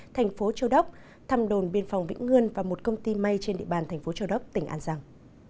thành phố châu đốc thăm đồn biên phòng vĩnh ngươn và một công ty may trên địa bàn thành phố châu đốc tỉnh an giang